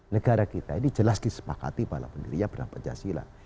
negara kita ini jelas disepakati bahwa pendirinya berhampiran jasilah